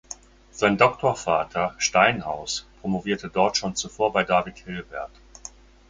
Sein Doktorvater Steinhaus promovierte dort schon zuvor bei David Hilbert.